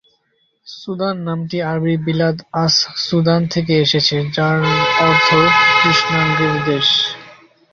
Sudan নামটি আরবি বিলাদ-আস-সুদান থেকে এসেছে যার অর্থ কৃষ্ণাঙ্গদের দেশ।